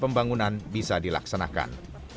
pembangunan bisa dilaksanakan